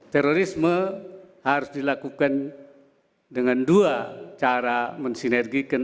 terorisme harus dilakukan dengan dua cara mensinergikan